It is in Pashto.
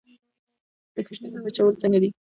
د ګشنیزو وچول څنګه دي؟